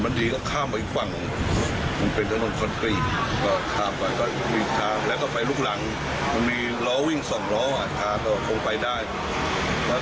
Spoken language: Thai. พอทุกคำต้องพลิกเดี๋ยวพลิกตรงตามไปเลย